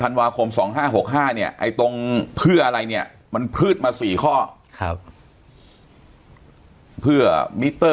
อันนี้คือมอบอำนาจเพื่อนี้